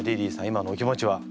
今のお気持ちは？